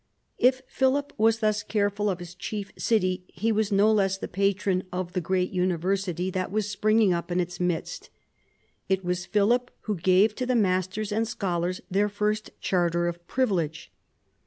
If Philip was thus careful of his chief city, he was no less the patron of the great University that was springing up in its midst. It was Philip who gave to the masters and scholars their first charter of privilege.